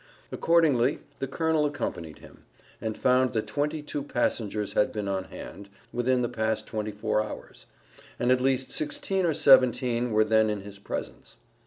Accordingly the Colonel accompanied him, and found that twenty two passengers had been on hand within the past twenty four hours, and at least sixteen or seventeen were then in his presence.